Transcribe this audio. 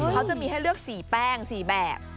เขาจะมีให้เลือก๔แป้ง๔แบบ